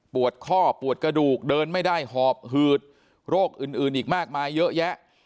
ข้อปวดกระดูกเดินไม่ได้หอบหืดโรคอื่นอีกมากมายเยอะแยะ